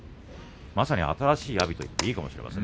まさに新しいタイプの阿炎と言ってもいいかもしれません。